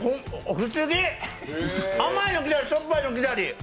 不思議、甘いの来たり、しょっぱいの来たり。